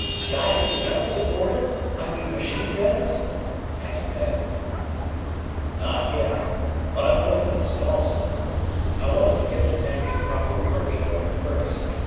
"Got any guns aboard her I mean machine guns?" asked Ned. "Not yet. But I'm going to install some. I wanted to get the tank in proper working order first.